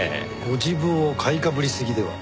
ご自分を買いかぶりすぎでは？